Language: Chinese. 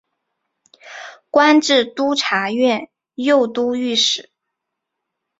官至都察院右都御史。